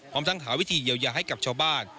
พร้อมทั้งหาวิธีเยียวยาให้กับชาวบ้าน